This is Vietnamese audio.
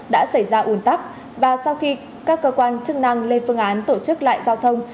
đã xảy ra ủn tắc và sau khi các cơ quan chức năng lên phương án tổ chức lại giao thông